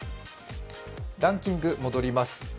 ランキング、戻ります。